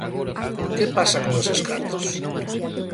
Que pasa con eses cartos?